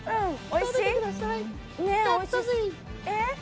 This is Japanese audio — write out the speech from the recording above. おいしい？